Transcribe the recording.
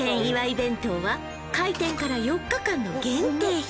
弁当は開店から４日間の限定品